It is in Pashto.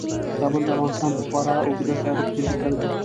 کابل د افغانستان په خورا اوږده تاریخ کې ذکر دی.